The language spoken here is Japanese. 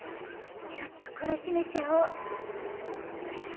ちょっとこらしめちゃお。